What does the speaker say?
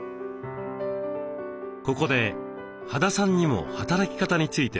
ここで羽田さんにも働き方について伺いました。